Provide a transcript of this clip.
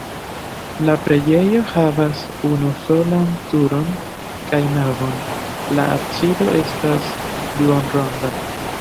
La preĝejo havas unusolan turon kaj navon, la absido estas duonronda.